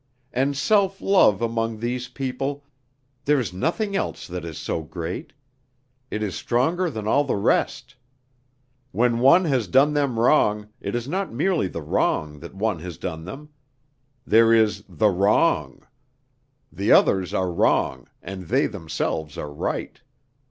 And self love among these people, there's nothing else that is so great. It is stronger than all the rest. When one has done them wrong it is not merely the wrong that one has done them; there is the Wrong; the others are wrong and they themselves are right.